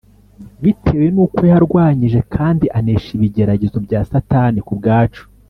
bitewe nuko yarwanyije kandi anesha ibigeragezo bya Satani ku bwacu,